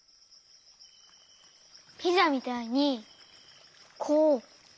ピザみたいにこうわける？